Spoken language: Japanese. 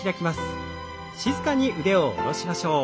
静かに腕を下ろしましょう。